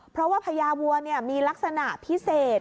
เพราะว่าพญาวัวมีลักษณะพิเศษ